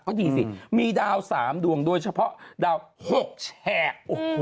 มันมีเดาสามดวงด้วยเฉพาะเดาละหกแแชก